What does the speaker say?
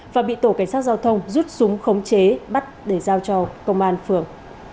và bị tổ cảnh sát giao thông rút súng khống chế bắt để giao cho công an phường